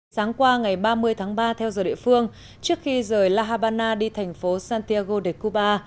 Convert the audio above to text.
sáng qua ngày ba mươi tháng ba theo giờ địa phương trước khi rời la habana đi thành phố santiago để cuba